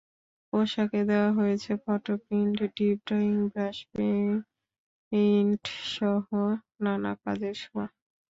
পোশাকে দেওয়া হয়েছে photo print, deep dyeing, brush পেইন্টসহ নানা কাজের ছোঁয়া।